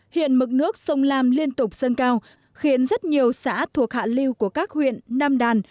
hiện mực nước sông lam liên tục dâng cao khiến rất nhiều xã thuộc hạ lưu của các huyện nam đàn